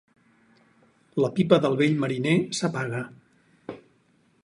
La pipa del vell mariner s'apaga.